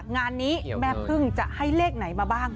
งานนี้แม่พึ่งจะให้เลขไหนมาบ้าง